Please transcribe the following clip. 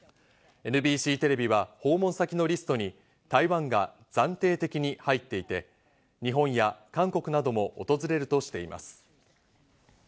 ＮＢＣテレビは訪問先のリストに台湾が暫定的に入っていて、日本や韓国なども訪れるとしています。